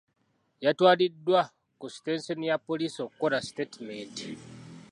Yatwaliddwa ku sitenseni ya poliisi okukola sitatimenti.